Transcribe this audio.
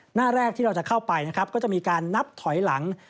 หน้าแรกที่เราจะเข้าไปนะครับก็จะมีการนับถอยหลัง